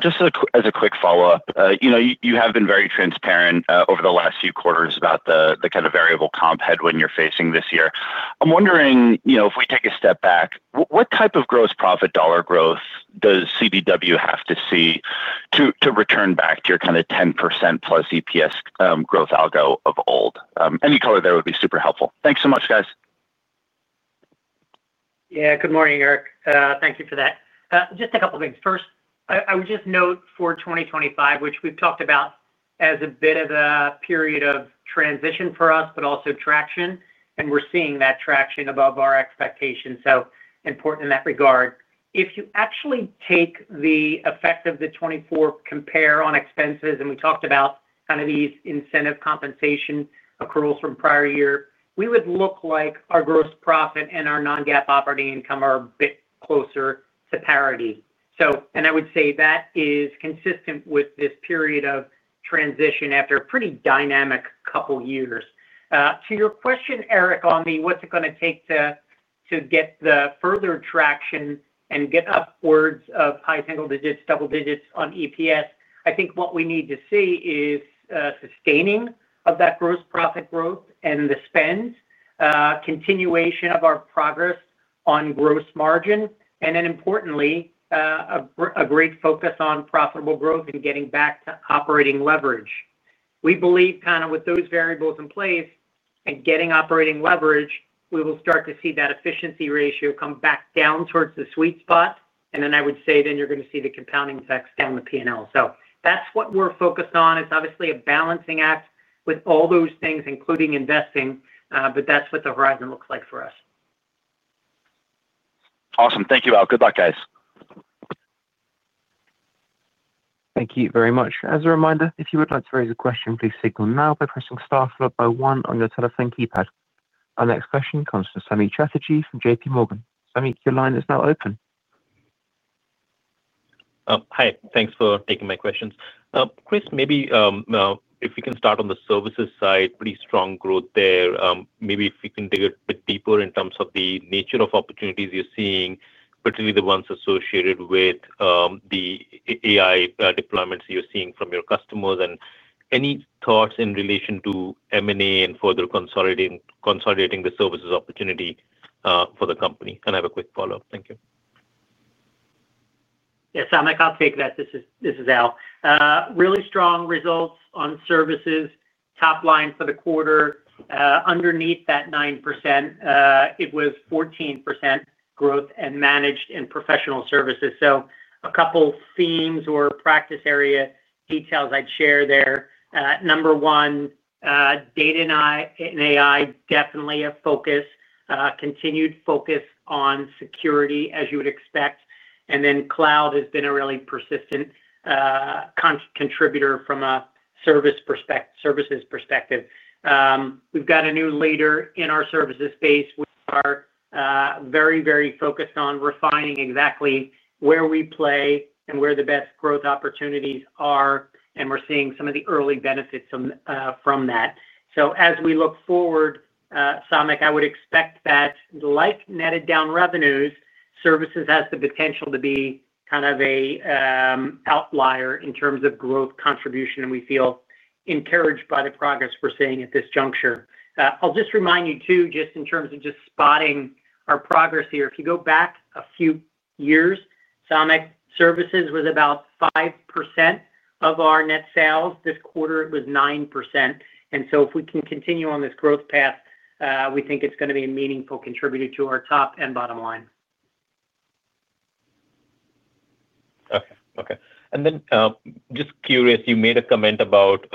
just as a quick follow-up, you have been very transparent over the last few quarters about the kind of variable comp headwind you're facing this year. I'm wondering, if we take a step back, what type of gross profit dollar growth does CDW have to see to return back to your kind of 10%+ EPS growth algo of old? Any color there would be super helpful. Thanks so much, guys. Yeah. Good morning, Erik. Thank you for that. Just a couple of things. First, I would just note for 2025, which we've talked about as a bit of a period of transition for us, but also traction. And we're seeing that traction above our expectations, so important in that regard. If you actually take the effect of the 2024 compare on expenses, and we talked about kind of these incentive compensation accruals from prior year, we would look like our gross profit and our non-GAAP operating income are a bit closer to parity. And I would say that is consistent with this period of transition after a pretty dynamic couple of years. To your question, Erik, on the what's it going to take to get the further traction and get upwards of high single digits, double digits on EPS, I think what we need to see is. Sustaining of that gross profit growth and the spend, continuation of our progress on gross margin, and then importantly, a great focus on profitable growth and getting back to operating leverage. We believe kind of with those variables in place and getting operating leverage, we will start to see that efficiency ratio come back down towards the sweet spot. And then I would say then you're going to see the compounding effects down the P&L. So that's what we're focused on. It's obviously a balancing act with all those things, including investing. But that's what the horizon looks like for us. Awesome. Thank you all. Good luck, guys. Thank you very much. As a reminder, if you would like to raise a question, please signal now by pressing star plus one on your telephone keypad. Our next question comes from Samik Chatterjee from JPMorgan. Samik, your line is now open. Hi. Thanks for taking my questions. Chris, maybe. If we can start on the services side, pretty strong growth there. Maybe if we can dig a bit deeper in terms of the nature of opportunities you're seeing, particularly the ones associated with. The AI deployments you're seeing from your customers, and any thoughts in relation to M&A and further consolidating the services opportunity for the company? And I have a quick follow-up. Thank you. Yes, I'll take that. This is Al. Really strong results on services. Top line for the quarter, underneath that 9%. It was 14% growth and managed and professional services. So a couple of themes or practice area details I'd share there. Number one. Data and AI definitely a focus, continued focus on security, as you would expect. And then cloud has been a really persistent. Contributor from a services perspective. We've got a new leader in our services space. We are very, very focused on refining exactly where we play and where the best growth opportunities are. And we're seeing some of the early benefits from that. So as we look forward, Samik, I would expect that, like netted down revenues, services has the potential to be kind of an outlier in terms of growth contribution. And we feel encouraged by the progress we're seeing at this juncture. I'll just remind you too, just in terms of just spotting our progress here. If you go back a few years, Samik, services was about 5% of our net sales. This quarter, it was 9%. And so if we can continue on this growth path, we think it's going to be a meaningful contributor to our top and bottom line. Okay. Okay. And then just curious, you made a comment about.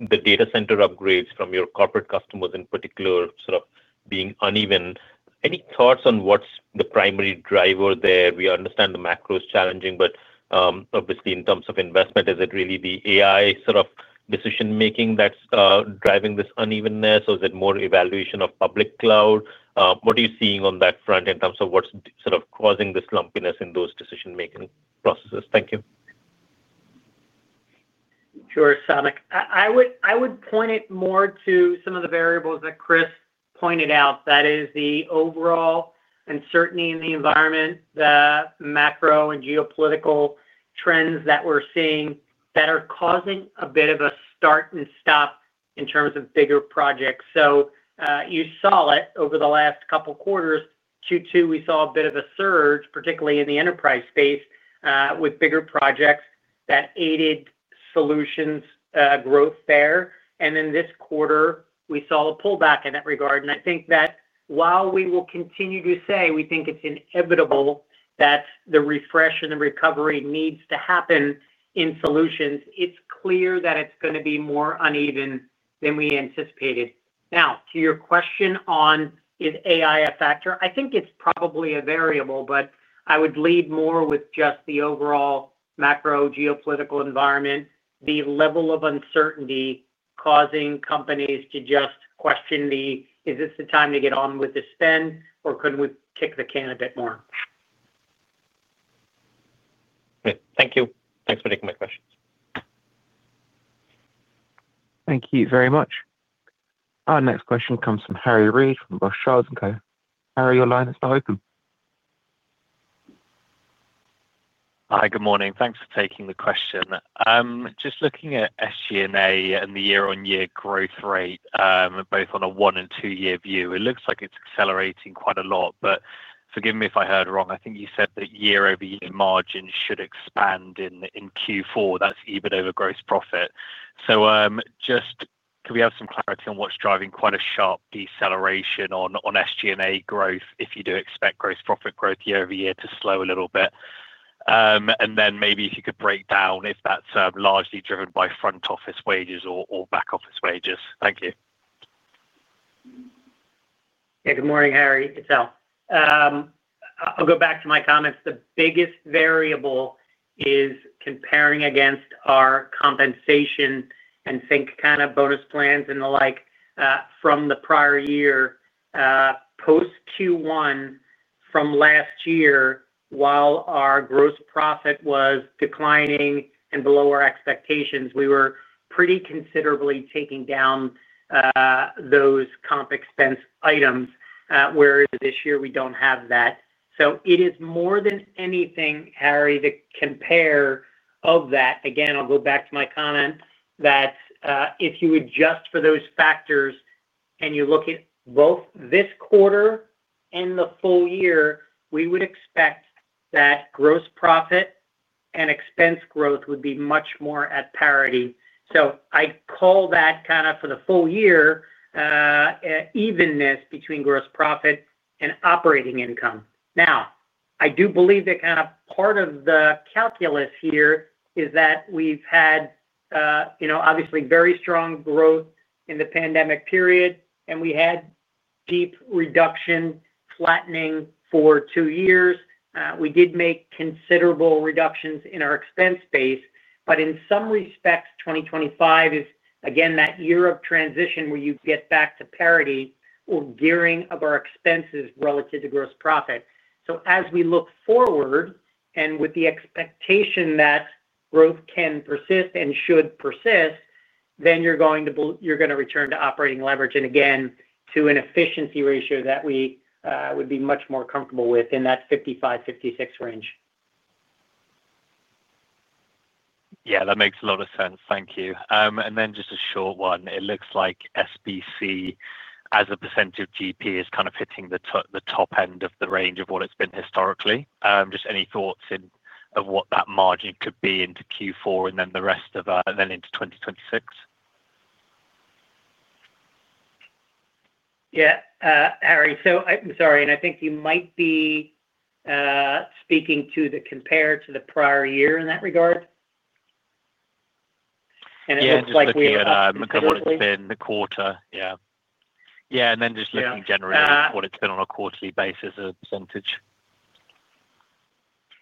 The data center upgrades from your corporate customers in particular sort of being uneven. Any thoughts on what's the primary driver there? We understand the macro is challenging, but obviously, in terms of investment, is it really the AI sort of decision-making that's driving this unevenness, or is it more evaluation of public cloud? What are you seeing on that front in terms of what's sort of causing the lumpiness in those decision-making processes? Thank you. Sure, Samik. I would point it more to some of the variables that Chris pointed out. That is the overall uncertainty in the environment, the macro and geopolitical trends that we're seeing that are causing a bit of a start and stop in terms of bigger projects. So you saw it over the last couple of quarters. Q2, we saw a bit of a surge, particularly in the enterprise space with bigger projects that aided solutions growth there. And then this quarter, we saw a pullback in that regard. And I think that while we will continue to say we think it's inevitable that the refresh and the recovery needs to happen in solutions, it's clear that it's going to be more uneven than we anticipated. Now, to your question on is AI a factor, I think it's probably a variable, but I would lead more with just the overall macro geopolitical environment, the level of uncertainty causing companies to just question the, is this the time to get on with the spend, or couldn't we kick the can a bit more? Great. Thank you. Thanks for taking my questions. Thank you very much. Our next question comes from Harry Read from Rothschild & Co. Harry, your line is now open. Hi, good morning. Thanks for taking the question. Just looking at SG&A and the year-on-year growth rate, both on a one and two-year view, it looks like it's accelerating quite a lot. But forgive me if I heard wrong. I think you said that year-over-year margin should expand in Q4. That's EBIT over gross profit. So just can we have some clarity on what's driving quite a sharp deceleration on SG&A growth if you do expect gross profit growth year-over-year to slow a little bit? And then maybe if you could break down if that's largely driven by front-office wages or back-office wages. Thank you. Yeah. Good morning, Harry. It's Al. I'll go back to my comments. The biggest variable is comparing against our compensation and think kind of bonus plans and the like from the prior year. Post Q1 from last year, while our gross profit was declining and below our expectations, we were pretty considerably taking down those comp expense items, whereas this year we don't have that. So it is more than anything, Harry, the compare of that. Again, I'll go back to my comment that if you adjust for those factors and you look at both this quarter and the full year, we would expect that gross profit and expense growth would be much more at parity. So I call that kind of for the full year evenness between gross profit and operating income. Now, I do believe that kind of part of the calculus here is that we've had obviously very strong growth in the pandemic period, and we had deep reduction flattening for two years. We did make considerable reductions in our expense base, but in some respects, 2025 is, again, that year of transition where you get back to parity or gearing of our expenses relative to gross profit. So as we look forward and with the expectation that growth can persist and should persist, then you're going to return to operating leverage and again to an efficiency ratio that we would be much more comfortable with in that 55-56 range. Yeah, that makes a lot of sense. Thank you. And then just a short one. It looks like SBC as a percent of GP is kind of hitting the top end of the range of what it's been historically. Just any thoughts of what that margin could be into Q4 and then the rest of that and then into 2026? Yeah, Harry. So I'm sorry. And I think you might be. Speaking to the comparison to the prior year in that regard. And it looks like we have a quarterly. Yeah. Yeah. And then just looking generally at what it's been on a quarterly basis as a percentage.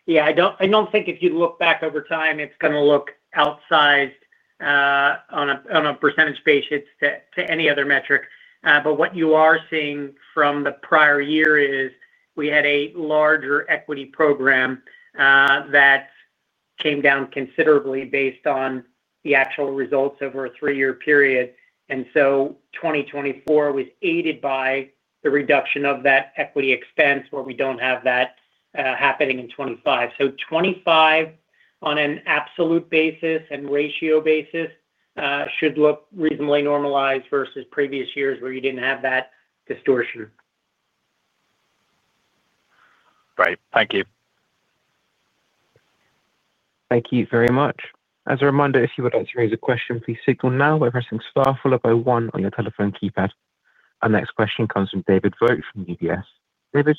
Yeah. I don't think if you look back over time, it's going to look outsized on a percentage basis to any other metric. But what you are seeing from the prior year is we had a larger equity program that came down considerably based on the actual results over a three-year period. And so 2024 was aided by the reduction of that equity expense where we don't have that happening in 2025. So 2025 on an absolute basis and ratio basis should look reasonably normalized versus previous years where you didn't have that distortion. Right. Thank you. Thank you very much. As a reminder, if you would like to raise a question, please signal now by pressing star followed by one on your telephone keypad. Our next question comes from David Vogt from UBS. David,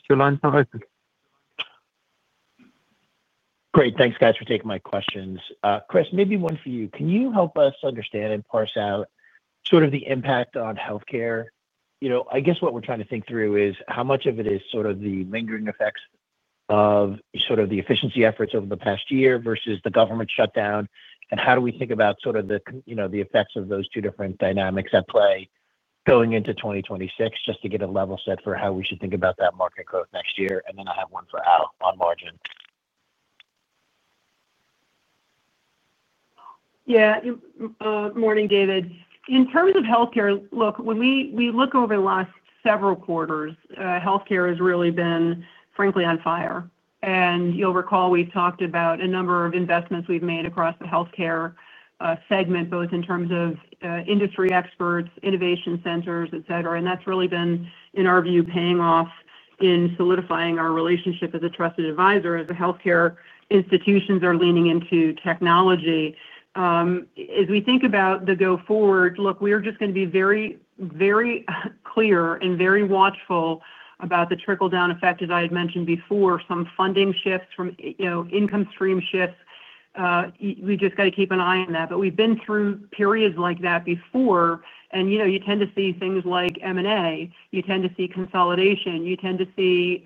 your line's now open. Great. Thanks, guys, for taking my questions. Chris, maybe one for you. Can you help us understand and parse out sort of the impact on healthcare? I guess what we're trying to think through is how much of it is sort of the lingering effects of sort of the efficiency efforts over the past year versus the government shutdown, and how do we think about sort of the effects of those two different dynamics at play going into 2026 just to get a level set for how we should think about that market growth next year? And then I have one for Al on margin. Yeah. Morning, David. In terms of healthcare, look, when we look over the last several quarters, healthcare has really been, frankly, on fire, and you'll recall we talked about a number of investments we've made across the healthcare segment, both in terms of industry experts, innovation centers, etc. And that's really been, in our view, paying off in solidifying our relationship as a trusted advisor as the healthcare institutions are leaning into technology. As we think about the go-forward, look, we're just going to be very clear and very watchful about the trickle-down effect, as I had mentioned before, some funding shifts from income stream shifts. We just got to keep an eye on that, but we've been through periods like that before, and you tend to see things like M&A. You tend to see consolidation. You tend to see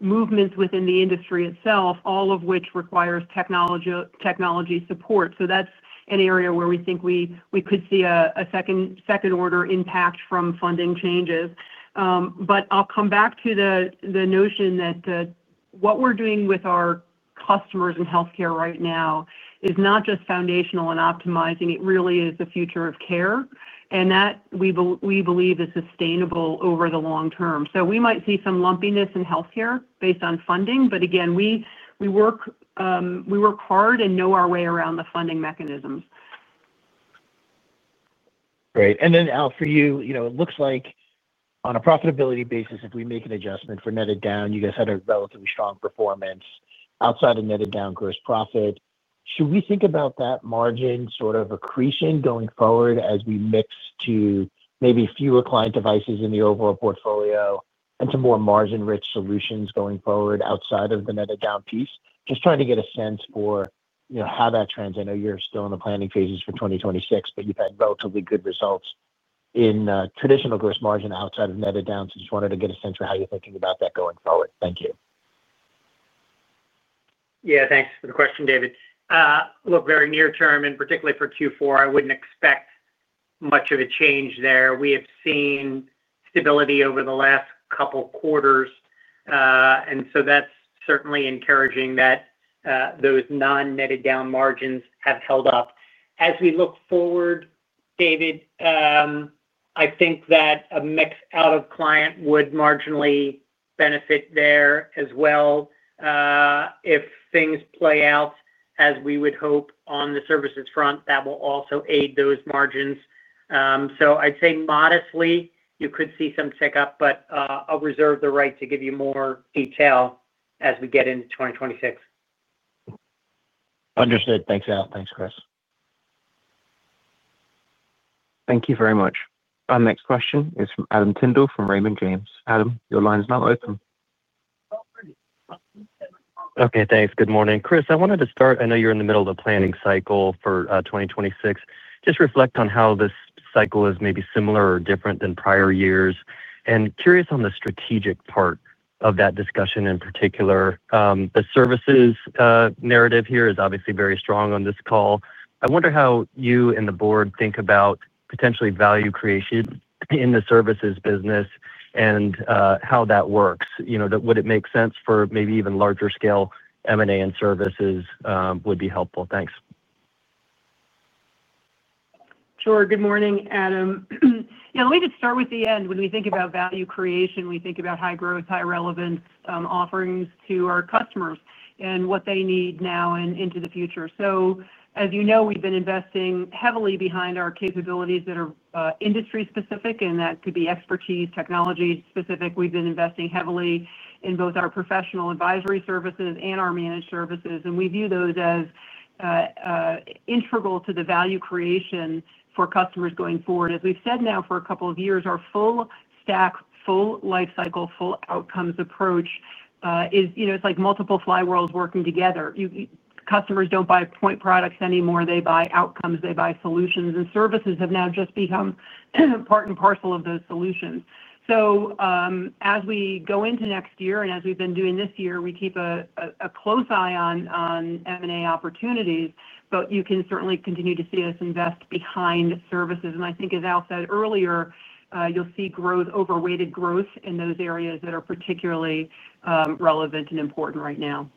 movements within the industry itself, all of which requires technology support. So that's an area where we think we could see a second-order impact from funding changes. But I'll come back to the notion that what we're doing with our customers in healthcare right now is not just foundational and optimizing. It really is the future of care, and that we believe is sustainable over the long-term. So we might see some lumpiness in healthcare based on funding. But again, we work hard and know our way around the funding mechanisms. Great. And then, Al, for you, it looks like on a profitability basis, if we make an adjustment for netted down, you guys had a relatively strong performance outside of netted down gross profit. Should we think about that margin sort of accretion going forward as we mix to maybe fewer client devices in the overall portfolio and some more margin-rich solutions going forward outside of the netted down piece? Just trying to get a sense for how that trends. I know you're still in the planning phases for 2026, but you've had relatively good results in traditional gross margin outside of netted down. So just wanted to get a sense for how you're thinking about that going forward. Thank you. Yeah. Thanks for the question, David. Look, very near term, and particularly for Q4, I wouldn't expect much of a change there. We have seen stability over the last couple of quarters. And so that's certainly encouraging that. Those non-netted down margins have held up. As we look forward, David. I think that a mix out of client would marginally benefit there as well. If things play out as we would hope on the services front, that will also aid those margins. So I'd say modestly, you could see some tick up, but I'll reserve the right to give you more detail as we get into 2026. Understood. Thanks, Al. Thanks, Chris. Thank you very much. Our next question is from Adam Tindall from Raymond James. Adam, your line's now open. Okay, thanks. Good morning. Chris, I wanted to start. I know you're in the middle of the planning cycle for 2026. Just reflect on how this cycle is maybe similar or different than prior years, and curious on the strategic part of that discussion in particular. The services narrative here is obviously very strong on this call. I wonder how you and the board think about potentially value creation in the services business and how that works. Would it make sense for maybe even larger scale M&A and services would be helpful? Thanks. Sure. Good morning, Adam. Yeah, let me just start with the end. When we think about value creation, we think about high growth, high relevance offerings to our customers and what they need now and into the future. So as you know, we've been investing heavily behind our capabilities that are industry specific, and that could be expertise, technology specific. We've been investing heavily in both our professional advisory services and our managed services. And we view those as integral to the value creation for customers going forward. As we've said now for a couple of years, our full stack, full lifecycle, full outcomes approach is like multiple flywheels working together. Customers don't buy point products anymore. They buy outcomes. They buy solutions. And services have now just become part and parcel of those solutions. So. As we go into next year and as we've been doing this year, we keep a close eye on M&A opportunities, but you can certainly continue to see us invest behind services. And I think, as Al said earlier, you'll see overweighted growth in those areas that are particularly relevant and important right now.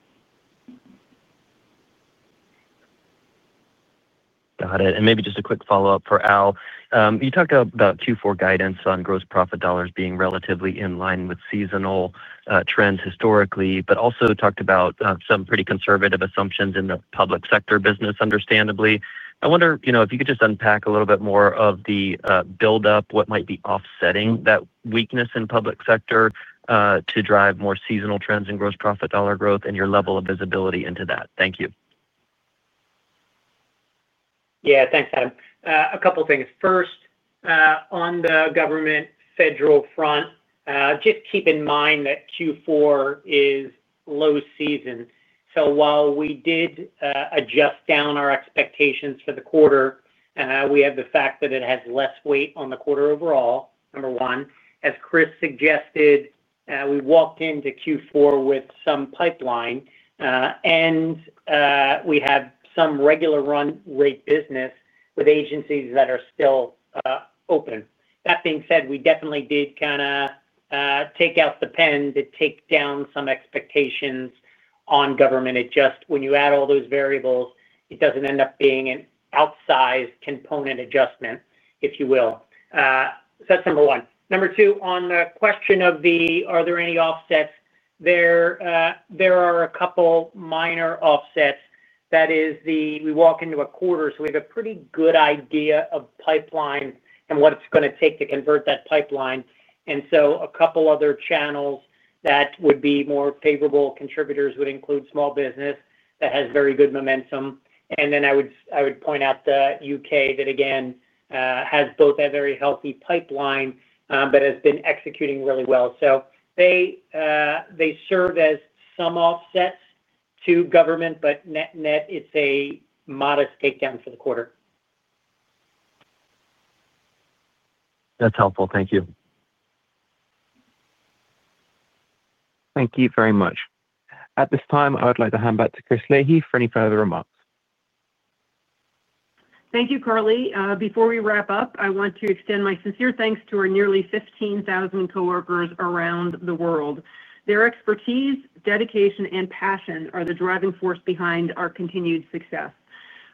Got it. And maybe just a quick follow-up for Al. You talked about Q4 guidance on gross profit dollars being relatively in line with seasonal trends historically, but also talked about some pretty conservative assumptions in the public sector business, understandably. I wonder if you could just unpack a little bit more of the build-up, what might be offsetting that weakness in public sector to drive more seasonal trends in gross profit dollar growth and your level of visibility into that? Thank you. Yeah. Thanks, Adam. A couple of things. First. On the government federal front. Just keep in mind that Q4 is low season. So while we did adjust down our expectations for the quarter, we have the fact that it has less weight on the quarter overall, number one. As Chris suggested, we walked into Q4 with some pipeline. And. We have some regular-run rate business with agencies that are still. Open. That being said, we definitely did kind of. Take out the pen to take down some expectations on government. When you add all those variables, it doesn't end up being an outsized component adjustment, if you will. So that's number one. Number two, on the question of the, are there any offsets? There are a couple of minor offsets. That is, we walk into a quarter, so we have a pretty good idea of pipeline and what it's going to take to convert that pipeline. And so a couple of other channels that would be more favorable contributors would include small business that has very good momentum. And then I would point out the U.K. that, again, has both a very healthy pipeline but has been executing really well. So. They serve as some offsets to government, but net net, it's a modest takedown for the quarter. That's helpful. Thank you. Thank you very much. At this time, I would like to hand back to Chris Leahy for any further remarks. Thank you, Carly. Before we wrap up, I want to extend my sincere thanks to our nearly 15,000 coworkers around the world. Their expertise, dedication, and passion are the driving force behind our continued success.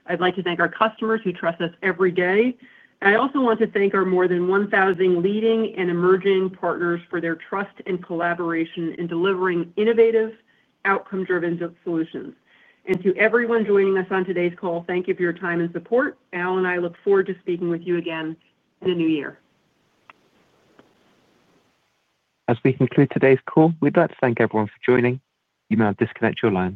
I'd like to thank our customers who trust us every day. I also want to thank our more than 1,000 leading and emerging partners for their trust and collaboration in delivering innovative, outcome-driven solutions, and to everyone joining us on today's call, thank you for your time and support. Al and I look forward to speaking with you again in the new year. As we conclude today's call, we'd like to thank everyone for joining. You may disconnect your line.